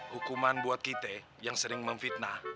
hukuman buat kita yang sering memfitnah